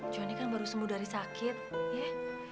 johnny kan baru sembuh dari sakit ya